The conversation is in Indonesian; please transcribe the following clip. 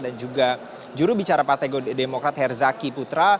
dan juga jurubicara partai demokrat herzaki putra